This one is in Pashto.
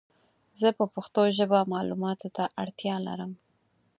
زه په پښتو ژبه مالوماتو ته اړتیا لرم